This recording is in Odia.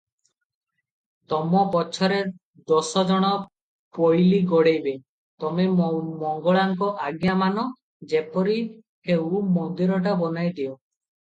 ତମ ପଛରେ ଦଶଜଣ ପୋଇଲୀ ଗୋଡ଼େଇବେ, ତମେ ମଙ୍ଗଳାଙ୍କ ଆଜ୍ଞା ମାନ; ଯେପରି ହେଉ ମନ୍ଦିରଟା ବନାଇଦିଅ ।